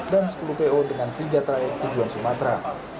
dan sepuluh po dengan tiga trayek tujuan sumatera